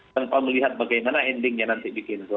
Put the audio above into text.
tanpa melihat bagaimana endingnya nanti bikin go